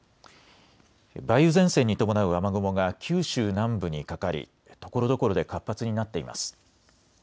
梅雨前線に伴う雨雲が九州南部にかかり、ところどころで活発になっています。